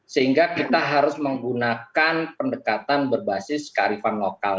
sehingga kita harus menggunakan pendekatan berbasis kearifan lokal